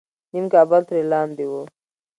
نیم کابل تر لاندې و.